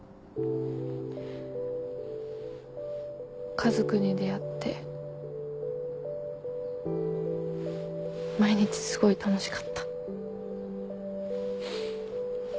カズくんに出会って毎日すごい楽しかった。